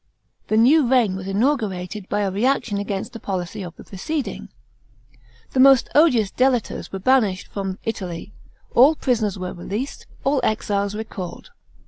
The new reign was inaugurated by a reaction against the policy of the preceding. The most odious delators were banished from Italy; all prisoners were released; all exiles recalled.